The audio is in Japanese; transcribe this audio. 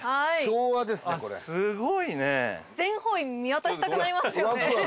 はい全方位見渡したくなりますよね